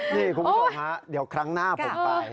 นี่คุณผู้ชมฮะเดี๋ยวครั้งหน้าผมไป